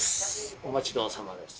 お待ちどおさまです。